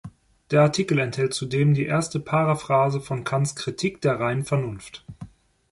Der Artikel enthält zudem die erste Paraphrase von Kants "Kritik der reinen Vernunft".